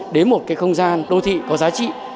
đến một cái không gian đô thị có giá trị